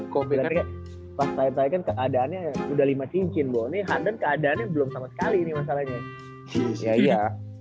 kopi kopi adanya udah lima cincin boh nih anden keadaannya belum sama sekali ini masalahnya ya